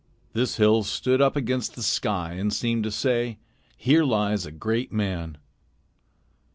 This hill stood up against the sky and seemed to say: "Here lies a great man."